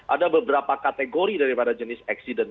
ada beberapa kategori daripada jenis accident